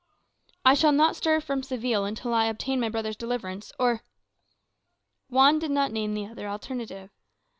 "I shall not stir from Seville till I obtain my brother's deliverance; or " Juan did not name the other alternative.